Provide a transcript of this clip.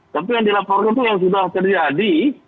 tapi yang dilaporkan itu yang sudah terjadi